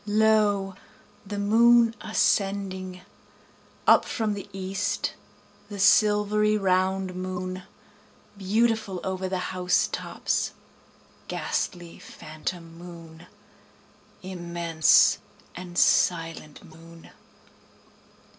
Lo, the moon ascending, Up from the east the silvery round moon, Beautiful over the house tops, ghastly, phantom moon, Immense and silent moon.